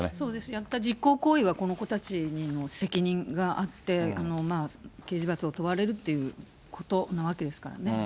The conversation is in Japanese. やっぱり実行行為はこの子たちにも責任があって、刑事罰を問われるっていうことですからね。